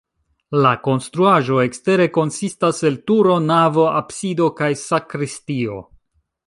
La konstruaĵo ekstere konsistas el turo, navo, absido kaj sakristio.